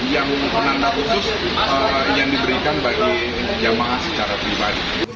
yang penanda khusus yang diberikan bagi jemaah secara pribadi